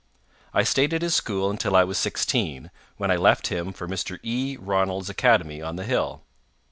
I stayed at his school until I was sixteen, when I left him for Mr. E. Ronald's academy on the hill.